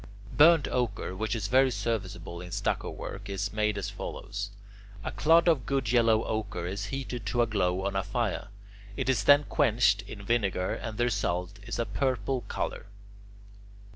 Burnt ochre, which is very serviceable in stucco work, is made as follows. A clod of good yellow ochre is heated to a glow on a fire. It is then quenched in vinegar, and the result is a purple colour.